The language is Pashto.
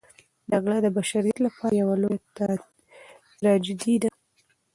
جګړه د بشریت لپاره یوه لویه تراژیدي ده.